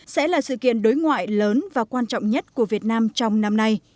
sẽ là sự kiện đối ngoại lớn và quan trọng nhất của việt nam trong năm nay